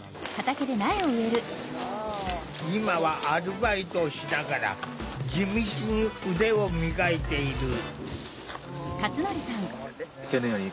今はアルバイトをしながら地道に腕を磨いている。